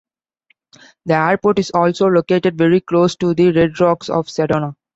The airport is also located very close to the Red Rocks of Sedona.